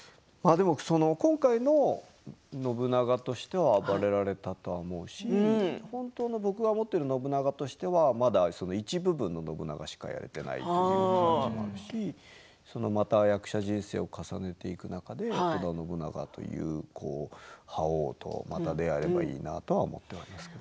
今回の信長としては暴れられたと思うし本当の僕が思っている信長としては、まだ１部分の信長しかやれていないのでということもあるしまた役者人生を重ねていく中で信長という覇王とまた出会えたらいいなとは思っています。